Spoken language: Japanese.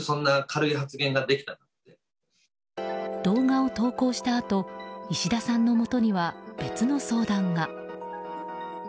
動画を投稿したあと石田さんのもとには別の相談が。